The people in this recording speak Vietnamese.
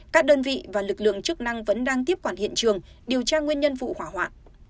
các đơn vị và lực lượng chức năng vẫn đang tiếp quản hiện trường điều tra nguyên nhân vụ hỏa hoạn